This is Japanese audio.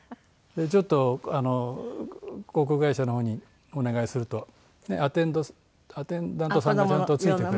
ちょっと航空会社の方にお願いするとアテンドアテンダントさんがちゃんと付いてくれてね